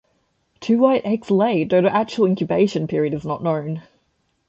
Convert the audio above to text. Two white eggs are laid, though the actual incubation period is not known.